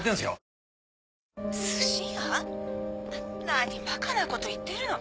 何バカなこと言ってるの。